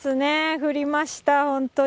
降りました、本当に。